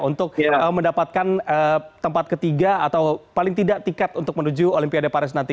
untuk mendapatkan tempat ketiga atau paling tidak tiket untuk menuju olimpiade paris nanti